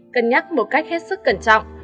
cân nhắc một cách hết sức cẩn trọng